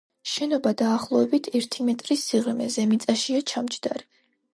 შენობა დაახლოებით ერთი მეტრის სიღრმეზე მიწაშია ჩამჯდარი.